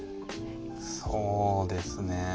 そうですね。